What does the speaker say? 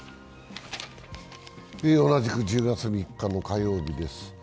同じく１０月３日の火曜日です。